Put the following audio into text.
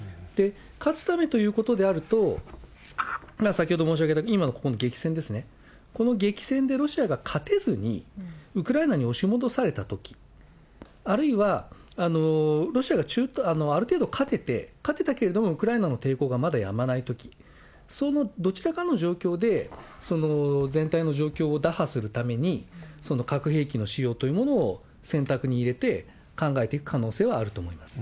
勝つためということであると、先ほど申し上げた、今、ここの激戦ですね、この激戦でロシアが勝てずに、ウクライナに押し戻されたとき、あるいはロシアがある程度勝てて、勝てたけれどもウクライナの抵抗がまだやまないとき、そのどちらかの状況で全体の状況を打破するために、核兵器の使用というものを選択に入れて考えていく可能性はあると思います。